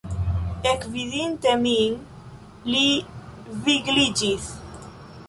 Ekvidinte min, li vigliĝis.